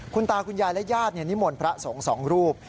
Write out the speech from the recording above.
คุณตาคุณยายและญาตินิมนต์พระสงฆ์๒รูป